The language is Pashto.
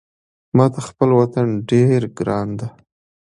ماته خپل وطن ډېر ګران ده